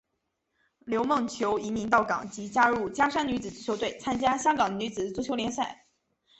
刘梦琼移民到港即加入加山女子足球队参加香港女子足球联赛。